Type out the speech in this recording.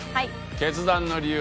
決断の理由